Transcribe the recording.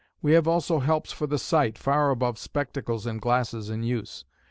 We have also helps for the sight, far above spectacles and glasses in use.